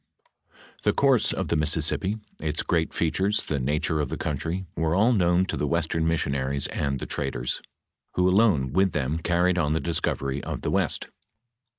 "* The course of the Mississippi, its great features, the nature of the country, were all known to the western missionaries and the tradei'S, who alone with them carried on the discovery of the west.